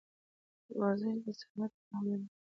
ورزش دصحت ضامن دي.